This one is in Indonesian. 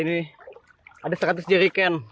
ini adalah seratus jirikan